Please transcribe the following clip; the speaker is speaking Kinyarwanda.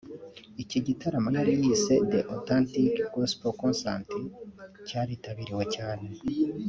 Iki gitaramo yari yise ‘The Authentic Gospel Concert’ cyaritabiriwe cyane